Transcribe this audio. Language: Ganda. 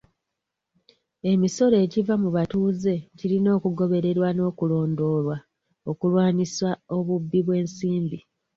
Emisolo egiva mu batuuze girina okugobererwa n'okulondoolwa okulwanisa obubbi bw'ensimbi.